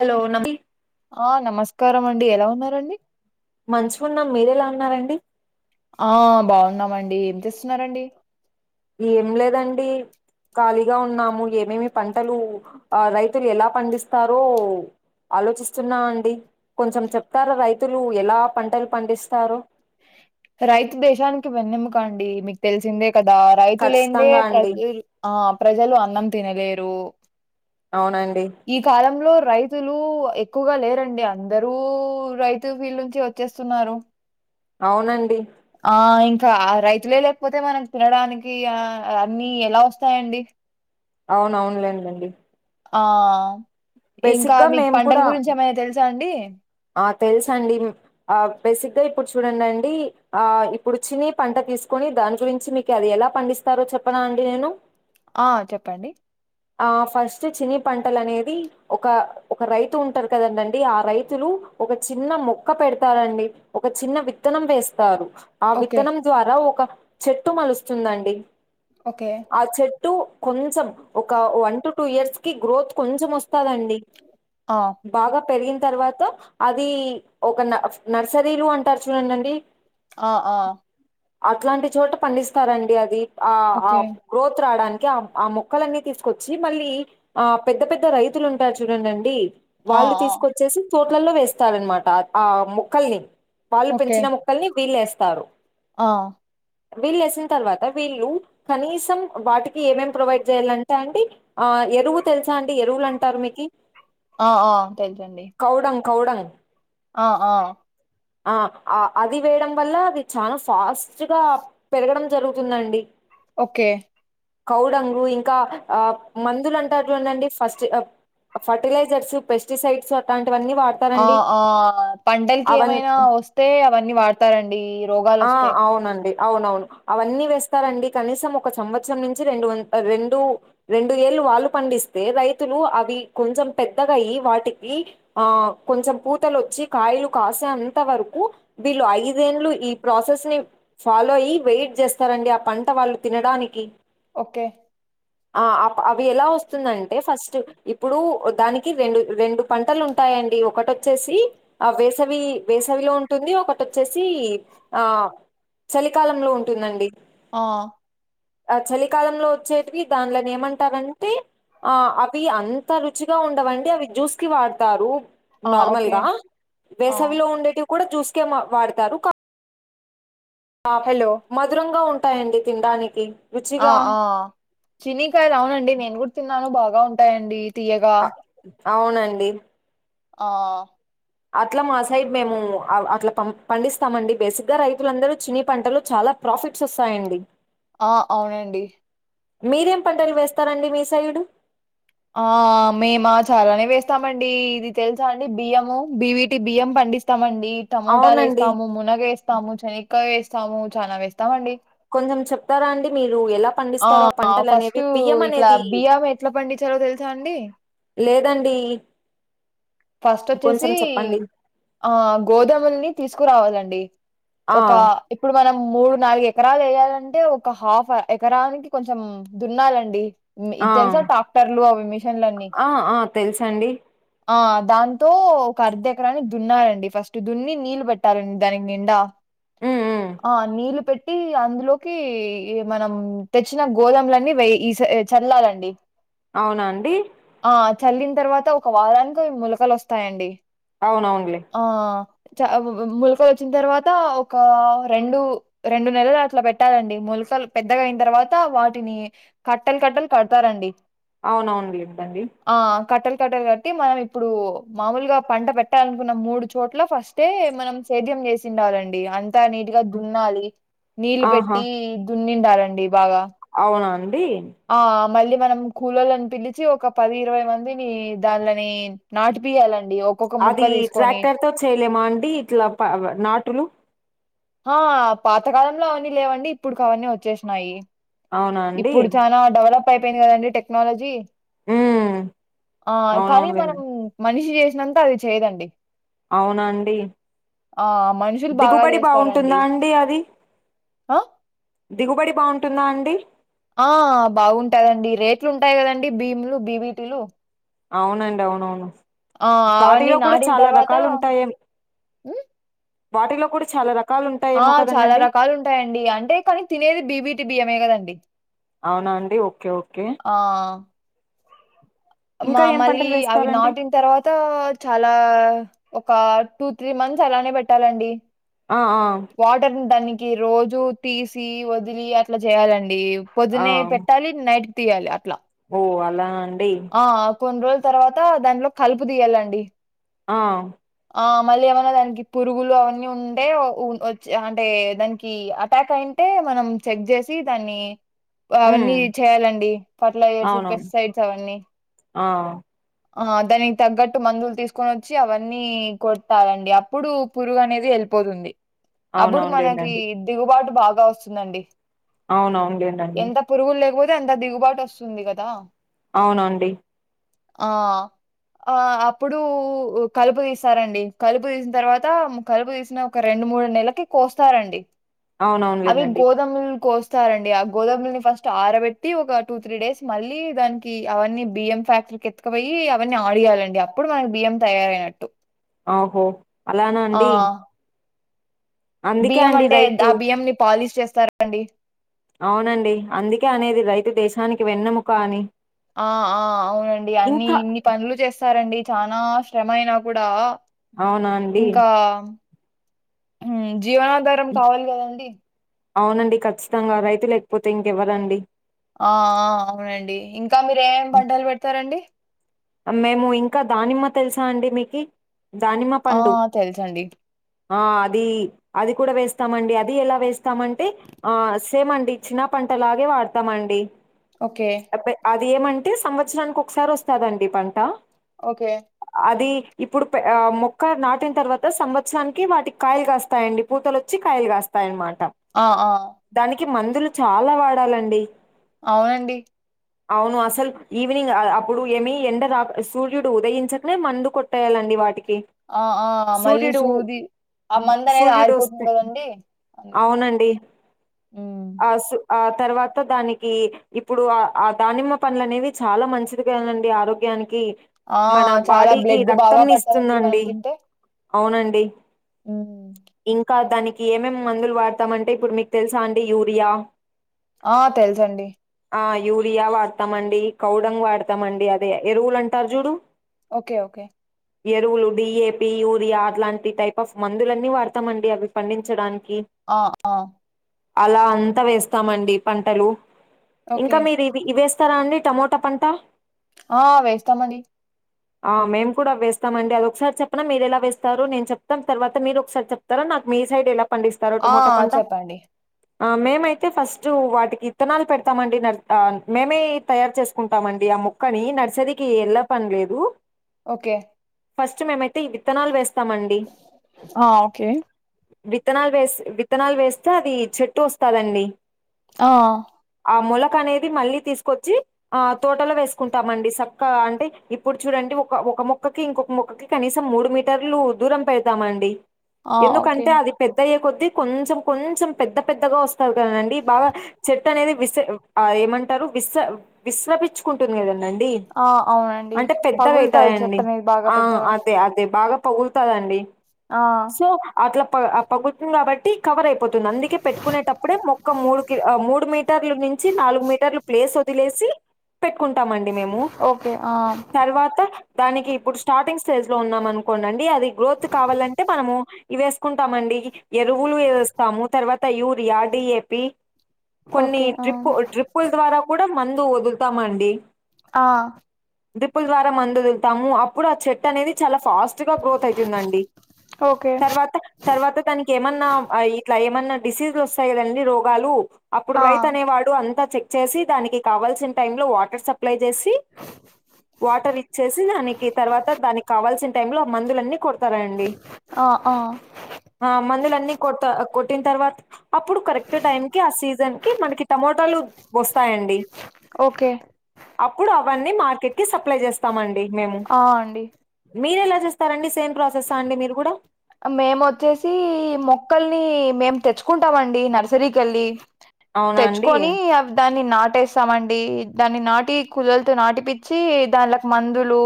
Hello నమి ఆ నమస్కారం అండి ఎలా ఉన్నారండి మంచిగా ఉన్నాం మీర ఎలా ఉన్నారండి ఆ బాగున్నామండి ఏం చేస్తున్నండి ఏం లేదండి ఖాళీగా ఉన్నాము ఏమేమి పంటలు ఆ రైతులు ఎలా పండిస్తారో ఆలోచిస్తున్నా అండి కొంచెం చెప్తారా రైతులు ఎలా పంటలు పండిస్తారు రైతు దేశానికి వెన్నుముక అండి మీకు తెలిసిందే కదా రైతులైందే ఖచ్చితంగా ప్రజ అండి ఆ ప్రజలు అన్నం తినలేరు అవునండి ఈ కాలంలో రైతులు ఎక్కువగా లేరండి అందరూ రైతు ఫీల్డ్ నుంచి వచ్చేస్తున్నారు అవునండి ఆ ఇం కా ఆ రైతులే లేకపోతే మనకి తినడానికి ఆ అన్ని ఎలా వస్తాయండి? అవున అవునులేనండి ఆ ఇంకా గా మీకు మేము పంటల కూడా గురించి ఏమనా తెలుసా అండి? తెలుసా అండి ఆ బేసిక్గా ఇప్పుడు చూడండి అండి ఆ ఇప్పుడు చినీ పంట తీసుకొని దాని గురించి మీకు అది ఎలా పండిస్తారో చెప్పనా అండి నేను? ఆ చెప్పండి ఆ ఫస్ట్ చిని పంటలు అనేది ఒక ఒక రైతు ఉంటారు కదండండి ఆ రైతులు ఒక చిన్న మొక్క పెడతారండి ఒక చిన్న విత్తనం వేస్తారు. ఆ ఓకే విత్తనం ద్వారా ఒక చెట్టు మలుస్తుందండి. ఓకే టు కొంచెం ఒక వన్ టు టూ ఇయర్స్ కి గ్రోత్ కొంచెం వస్తు తదండి ఆ బాగా పెరిగిన తర్వాత అది ఒక న నర్సరీలు అంటారు చూడండిండి ఆ ఆ అట్లాంటి చోట పండిస్తారండి అది ఆ ఆ ఓకే గ్రోత్ రావడానికి ఆ ఆ ము మక్కలన్నీ తీసుకొచ్చి మళ్ళీ ఆ పెద్ద పెద్ద రైతులు ఉంటారు చూడండిండి ఆ వాళ్ళు ఆ తీసుకొచ్చేసి తోటలల్లో వేస్తారనమాట అ ఆ మొక్కల్ని వాళ్ళు ఓకే పెంచిన ముక్కల్ని వీలేస్తారు. ఆ వీళ్ళు వేసిన తర్వాత వీళ్ళు కనీసం వాటికి ఏమేం ప్రొవైడ్ చేయాలంటే అండి ఆ ఎరువు తెలుసా అండి. ఎరువులు అంటారు మీకి? ఆ ఆ తెలుసండి కావ్డాన్ అ ఆ అ ఆ అది వేయడం వల్ల అది చాలా ఫాస్ట్గా పెరగడం జరుగుతుందండి. ఓకే కౌడంగు ఇం కా ఆ మందులు అంటారు చూడండి ఫస్టి అ ఫర్టిలైజర్స్, పెస్టిసైడ్స్ అట్లాంటివన్నీ ఆ వాడతారండి ఆ పంటలకి అవన్ ఏమైనా వస్తే అవన్నీ వాడతారండి. రోగాలు ఆ వస్తే అవునండి అవునవును అవన్నీ వేస్తారండి కనీసం ఒక సంవత్సరం నుంచి రెండు వన్ రెండు రెండు ఏళ వాళ్ళ పండిస్తే రైతులు అవి కొంచెం పెద్దగా అయ్యి వాటికి ఆ కొంచం పూ తలు వచ్చి కాయలు కాసే అంత వరకు వీళ్ళు ఐదేళ్లు ప్రాసెస్ ని ఫాలో అయ్యి వెయిట్ చేస్తారండి ఆ పంట వాళ్ళు తినడానికి ఓకే ఆ అ అవి ఎలా వస్తుందంటే ఫస్ట్ ఇప్పుడు దానికి రెండు రెండు పంటలు ఉంటాయండి ఒకటోచ్చేసి ఆ వేసవి వే చవిలో ఉంటుంది ఒకటిచ్చేసి ఆ చలికాలంలో ఉంటుందండి. ఆ ఆ చలికాలంలో వచ్చేటివి దానిలని ఏమంటారంటే? ఆ అవి అంత రుచిగా ఉండవండి. అవి జ్యూస్ కి వాడతారు. ఆ ఓకే నార్మల్గా ఆ వేసవిలో ఉండేటివి కూడా జ్యూస్కే మ వాడతారు. క ఆప్ హలో మధురంగా ఉంటాయండి తినడానికి ఆ రుచిగా ఆ చినీకాయలు అవునండి నేను కూడా తిన్నాను బాగా ఉంటాయండి. తీయగా అవునండి ఆ అట్లా మా సైడ్ మేము అట్లా పం పండిస్తామండి బేసిక్ గా రైతులందరూ చీనీ పంటలు చాలా ప్రాఫిట్స్ వస్తాయండి ఆ అవునండి మీరేం పంటలు వేస్తారండి మీ సైడు ఆ మేమా చాలానే వేస్తామండి ఇది తెలుసా అండి బియ్యము బివిటి బియ్యం పం పండిస్తామండి టమోటాలు అవునండి ఏస్తాము మునగ ఏస్తాము చనగక్కయ ఏస్తాము చాలా ఎస్తామండి కొంచెం చెప్తారా అండి మీ రు ఎలా ఆ పండిస్తారో పంటలు ఫస్ట్ అనేవి బియ్యం ఇట్లా అనేది బియ్యం ఎట్లా పండించాలో తెలుసా అండి లేదండి ఫస్ట్ వచ్చేసి కొంచెం చెప్పండి ఆ గోధముల్ని తీసుకురావాలండి ఆ ఒక ఇప్పుడు మనం మూడు నాలుగే ఎకరాలు వేయాలంటే ఒక హాఫ్ ఎకరానికి కొంచెం దున్నాలండి ఆ ఇది తెలుసా ట్రాక్టర్లు అవి మిషన్లన్నీ ఆ ఆ తెలుసండి ఆ దాంతో ఒక అర్ధ ఎకరాని దున్నారండి ఫస్ట్ దున్ని నీళ్ళు పెట్టాలండి దానికి నిండా ఉమ్ ఉమ్ ఆ నీళ్లు పెట్టి అందులోకి ఈ మనం తెచ్చిన గోధుమలన్నీ వె ఇస్ చల్లాలండి అవునాండి ఆ చల్లిన తర్వాత ఒక వారానికి ములకలు వస్తాయండి అవునవునులే ఆ చ ములకలు వచ్చిన తర్వాత ఒక రెండు రెండు నెలలు అట్లా పెట్టాలండి ముల్ సల్ పెద్దగా అయిన తర్వాత వాటిని కట్టలు కట్టలు కడతారండి అవునవును లేంటండి కట్ట కట్టి మనం ఇప్ ఇప్పుడు మామూలుగా పంట పెట్టాలనుకున్న మూడు చోట్ల ఫస్టే మనం సేద్యం చేసిండాలండి అ అంత నీట్ గా దున్నాలి నీళ్ళు ఆహా పెట్టి దున్నిండాలండి బాగా పోనా అండి ఆ మళ్ళీ మనం కొల్లోళ్ళను పిలిచి ఒక పది ఇరవై మందిని దాండ్లని నాటి పియాలన్ అది ట్రాక్టర్ తో చేయలేమా అండి ఇట్లా ప నాటులు ఆ పాతకాలంలో అవన్నీ లేవండి ఇప్పుడుకి అవన్నీ వచ్చేసినాయి అవునా అండి ఇప్పుడు చానా డెవలప్ అయిపోయింది కదండి టెక్నాలజీ హ్మ్ ఆ కానీ మనం అవునవునులేండి మనిషి చే చేసినంత అది చేయదండి అవునండి. ఆ మనుషులు బాగా చేస్ ఉంటుందా అండి అది ఆ దిగుబడి బాగుంటుందా అండి ఆ బాగుంటాదండి రేట్లు ఉంటాయి కదండి భీములు బీవిటీలు అవునండి అవునవును అవన్నీ వాటిలో కూడా నాటిన చాలా తర్వాత రకాలు ఉంటా ఎం ఉమ్ వాటిలో కూడా చాలా ర ఆ చాలా రకాలు ఉంటాయండి అంటే కానీ తినేది బిబిటి బియ్యమే కదండి అవునా అండి ఓకే ఓకే ఆ మా ఇంకా ఏం మళ్ళీ పంటలు అవి వేస్తారండి? నాటిన తర్వాత చాలా ఒక టూ త్రీ మంత్స్ అలానే పెట్టాలండి ఆ ఆ వాటర్న్ దాని కి రోజు తీసి వదిలి అట్లా చేయాలండి ఆ పొద్దునే పెట్టాలి నైట్ తీయాలి అట్లా ఓ అలాన్ ఆ కొన్ని రోజుల తర్వాత దాంట్లో కలుపు తీయాలండి. ఆ ఆ మళ్ళీ ఏమైన్నా దానికి పురుగులు అవన్నీ ఉంటే వ ఉన్ వచ్చే అంటే దానికి అటాక్ అయి టే మనం చెక్ చేసి దాన్ని అవన్నీ హ్మ్. చేయాలండి ఫర్టిలైజర్స్, అవునవును. పెస్టిసైడ్స్ అవన్నీ ఆ ఆ దానికి తగ్గట్టు మందులు తీసుకొని వచ్చి అవన్నీ కొట్టాలండి. అప్పుడు పురుగు అనేది వెలు పోతుంది అప్పుడు మనకి అవునవునులేండండి. దిగుబాటు బాగా వస్తుందండి. అవున అవునులేనండి. ఎంత పురుగులు లేకపోతే అంత దిగుబాటు వస్తుంది కదా అవునండి ఆ ఆ అప్పుడు కలుపు తీస్తారండి. కలుపు తీసిన తర్వాత కలుపు తీసిన ఒక రెండు రెండు మూడు నెలకి కోస్తారండి అవి అవునవునులేండండి. గోదమ్ కొ స్తారండి ఆ గోదాములని ఫస్ట్ ఆరబెట్టి ఒక టూ త్రీ డేస్ మళ్ళీ దానికి అవన్నీ బియ్యం ఫ్యాక్టరీకి ఎత్తకుపోయి అవన్నీ ఆడియాలండి. అప్పుడుకి బియ్యం తయారయినట్టు ఆహో అలానా అండి అందుకే బియ్యం అండి అంటే ద ఆ రైతు బియ్యంని పాలిష్ చేస్తారా అండి. అవునండి అందుకే అనేది రైతు దేశానికి వెన్నముక అని ఆ ఆ అవునండి అన్ని ఇంకా ఇన్ని పనులు చేస్తారండి చనా శ్రమ అయినా కూడా అవునా అండి ఉమ్ జీవనాధారం కావాలి కదండి అవునండి ఖచ్చితంగా రైతు లేకపోతే ఇంకెవరండి. ఆ ఆ అవునండి ఇంకా మీరు ఏమి పంటలు పెడతారండి? మేము ఇంకా దానిమ్మ తెలుసా అండి మీకి? దానిమ్మ ఆ పండు తెలుసండి ఆ అది అది కూడా వేస్తామండి అది ఎలా వేస్తామంటే ఆ సేమ్ అండి చిన్న ప అంతలాగే వాడతామండి ఓకే బియ్యం మంటే సంవత్సరానికి ఒకసారి వస్తదండి పంట. ఓకే అది ఇప్పుడు ఆ మొక్క నాటిన తర్వాత సంవత్సరానికి వాటికి కాయలు కాస్తాయండి పూతలు వచ్చి కాయిలు కస్తాయనమా ఆ ఆ కి మందులు చాలా వాడాలండి. అవునండి అవును అసలు ఈవినింగ్ ఆ అ అప్పుడు ఏమి ఎండ గా సూర్యుడు ఉదయించకనే మందు కొట్టేయాలండి వాటి ఆ ఆ మళ్ళీ సూది ఆ మంది అనేది సూర్యుడు ఆరిపోతుంది వస్తే కదండి అందుకే హ్మ్. ఆసు ఆ తర్వాత దానికి ఇప్పుడు ఆ దానిమ్మ పళ్లు అనేవి చాలా మంచిదిగాదండి ఆరోగ్యానికి ఆ! మన చాలా బాడీకి బ్లడ్ రక్తం బాగా ని పడతదండి మనం ఇస్తుందండి. తింటే. అవునండి హ్మ్. ఇంకా దాని కి ఏమేం మందులు వాడతామంటే ఇప్పుడు మీకు తెలుసా అండి యూరియా ఆ తెలుసండి ఆ యూరియా వాడతామండి కౌడంగ్ వాడతామండి అదే ఎరువులు అంటారు చూడు ఓకే ఓకే ఎరువులు డిఏపి యూరియా అట్లాంటి టైప్ ఆఫ్ మందులన్నీ వాడతామండి అవి పండించడాని ఆ ఆ అలా అంతా వేస్తామండి పంటలు ఇంకా ఓకే. మీరు ఇవి ఇవేస్ స్తారా అండి టమోటా పంట ఆ వేస్తామది ఆ మేము కూడా వేస్తామండి అదొ ఒకసారి చెప్పన మీరు ఎలా వేస్తారు నేను చెప్తా తర్వాత మీరు ఒకసారి చెప్తార నాకు మీ సైడ్ ఎలా పండిస్తారో ఆ! టమోటో పంట చెప్పండి. ఆ మేమైతే ఫస్ట్ వాటికి ఇత్తనాలు పెడతామండి న మేమే తయారు చేసుకుంటామండి ముక్కని నర్సరీకి ఎల్ల పని లేదు ఓకే ఫస్ట్ మేమైతే ఈ విత్తనాలు వేస్తామండి ఆ! ఓకే. విత్తనాలు వేస్ విత్తనాలు వేస్తే అది చెట్టు వస్తాదండి ఆ ఆ మొలక అనేది మళ్ళీ తీసుకొచ్చి ఆ తోటలో వేసుకుంటామండి స ఒక్క అంటే ఇప్పుడు చూడండి ఒక ఒక మొక్కకి ఇంకొక మొక్కకి కనీసం మూడు మీటర్లు దూరం పెడతామండి ఆ! ఓకే. ఎందుకంటే అది పెద్దయ్యే కొద్ ద్ధి కొంచెం కొంచెం పెద్ద పెద్దగా వస్తారు కదండి బాగా చెట్టు అనేది విశ ఆ ఏమంటారు విశ విశ్రపిచ్చుకుంటుంది కదండండి ఆ అవునండి అంటే పగులుతది పెద్దగావుతాయండి చెట్టు అనేది బాగా ఆ పెద్దగా అదే అదే బాగా పగులుతాదండి ఆ సో అట్లా ప పగులుతుంది కాబట్ కవర్ అయిపోతుంది అందుకే పెట్టుకునేటప్పుడే మొక్క మూడు కి మూడు మీటర్లు నుంచి నాలుగు మీటర్లు ప్లేస్ వదిలేసి పెట్టుకుంటామండి మేము ఓకే ఆ తర్వాత దానికి ఇప్పుడు స్టార్టింగ్ స్టేజ్ లో ఉన్నాం అనుకోండండి అది గ్రోత్ కావాలంటే మనము ఇ వేసుకుంటామండి ఎరువులు వేస్తాము తర్వ యూరియా డిఏపి కొన్ని ఓకే ఆ డ్రిప్పు డ్రిప్పు ల ద్వారా కూడా మన్ వదులుతామండి ఆ డ్రిప్పుల్ ద్వారా మందొదులుతాము అప్పుడు ఆ చెట్టు అనేది చాలా ఫాస్ట్ గా గ్రోత్ అయితుందండి ఓకే తర్వాత తర్వాత తనికి ఏమన్నా ఇట్లా ఏమన్నా డిసీజ్లు వస్తాయి కదండి రోగాలు అప్పుడు ఆ రైతు అనేవాడు అంత చె చేసి దానికి కావల్సిన టైమ్ లో వాటర్ సప్లై చేసి వాటర్ ఇచ్చేసి దానికి తర్వాత దానికి కావాల్సిన టైమ్ లో మందులన్నీ కొ తరండి ఆ ఆ ఆ మందులు అన్ని కోడ్త కొట్టిన తర్వా అప్పుడు కరెక్ట్ టైంకి ఆ సీజన్ కి మనకి టమోటాలు వస్తాయండి ఓకే అప్పుడు అవన్నీ మార్కెట్ కి సప్లై చేస్తామండి మేము ఆ అండి మీరేలా చేస్తారండి సేమ్ ప్రాసెసా అండి మీరు కూడా మేమోచ్చేసి మొక్కల్ని మేము తెచ్చుకుంటామండి నర్సరీకెళ్ళి అవునా అండి తెచ్చుకొని అవి దాన్ అన్ని నాటేస్తామండి దాన్ని నాటి కులోళ్లతో నాటిపిచ్చి దాండ్లకు మందులు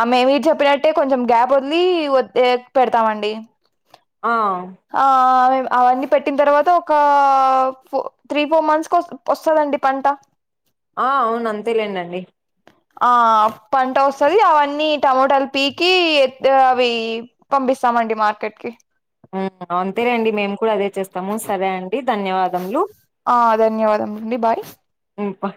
ఆ మే మీరు చెప్పినట్టే కొంచెం గ్యాప్ వదిలి పెడత్ తమండి ఆ హాయ్ అవన్నీ పెట్టిన తర్వాత ఒక ఫో త్రీ ఫోర్ మంత్స్ వస్తాదండి పంట ఆ అవును అంతేలేనండి ఆ పంట వస్తది అవన్నీ టమోటాలు పీకి అవి పంపి ఇస్తామండి మార్కెట్కి ఆ అంతే అండి మేము కూడా అదే చేస్తాము సరే అంన్ డి ధన్యవాదములు ఆ ధన్యవాదములండి బాయ్ ఉంట